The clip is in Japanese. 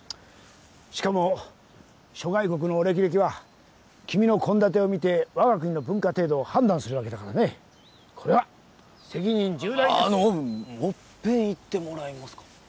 しかも諸外国のお歴々は君の献立を見て我が国の文化程度を判断するわけだからねこれは責任重大ですもっぺん言ってもらえますか？